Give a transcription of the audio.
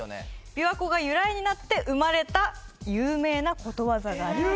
琵琶湖が由来になって生まれた有名なことわざがあります